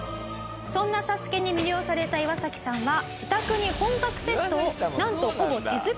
そんな『ＳＡＳＵＫＥ』に魅了されたイワサキさんは自宅に本格セットをなんとほぼ手作りで制作。